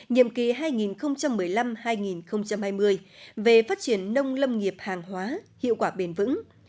nhiệm kỳ hai nghìn một mươi năm hai nghìn hai mươi về phát triển nông lâm nghiệp hàng hóa hiệu quả bền vững